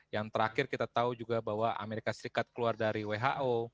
yang terakhir kita tahu juga bahwa amerika serikat keluar dari who